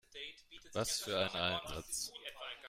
Was für ein Einsatz!